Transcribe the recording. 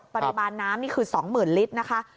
ปริมาณน้ำนี่คือ๒๐๐๐ลิตรนะคะ